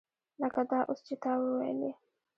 لکه دا اوس چې تا وویلې.